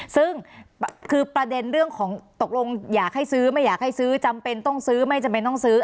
ซึ่งคือประเด็นเรื่องของตกลงอยากให้ซื้อไม่อยากให้ซื้อจำเป็นต้องซื้อไม่จำเป็นต้องซื้อ